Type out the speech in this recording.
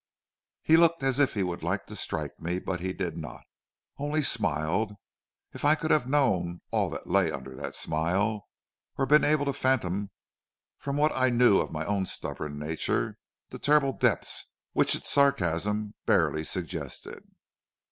"He looked as if he would like to strike me, but he did not only smiled. If I could have known all that lay under that smile, or been able to fathom from what I knew of my own stubborn nature, the terrible depths which its sarcasm barely suggested!